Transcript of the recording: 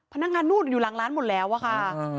พนักงานนวดอยู่หลังร้านหมดแล้วอะค่ะ